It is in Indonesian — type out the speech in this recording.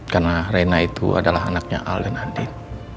karena rena itu adalah anaknya al dan andin